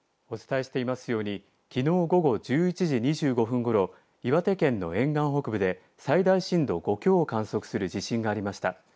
お伝えしていますようにきのう、午後１１時２５分ごろ岩手県の沿岸北部で最大震度５強を観測する地震がありました。